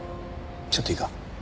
ちょっといいか？